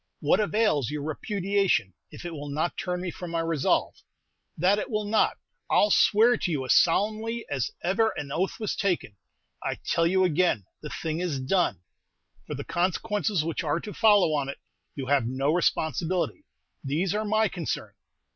"What avails your repudiation if it will not turn me from my resolve? That it will not, I 'll swear to you as solemnly as ever an oath was taken. I tell you again, the thing is done. For the consequences which are to follow on it you have no responsibility; these are my concern."